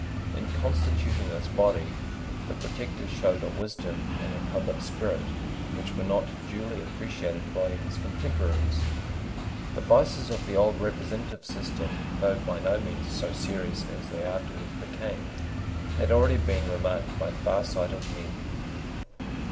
In constituting this body, the Protector showed a wisdom and a public spirit which were not duly appreciated by his contemporaries. The vices of the old representative system, though by no means so serious as they afterwards became, had already been remarked by farsighted men.